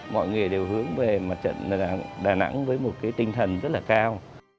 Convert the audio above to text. mọi người đều hướng về mặt trận đà nẵng với một cái tinh thần rất là cao